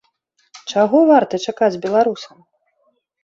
Чаго варта чакаць беларусам?